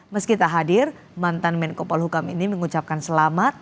meski tak hadir mantan menko polhukam ini mengucapkan selamat